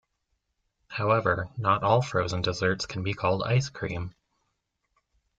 However, not all frozen desserts can be called ice cream.